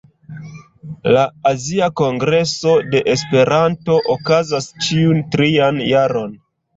La Azia Kongreso de Esperanto okazas ĉiun trian jaron.